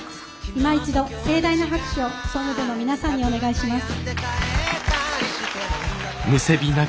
いま一度盛大な拍手を総務部の皆さんにお願いします。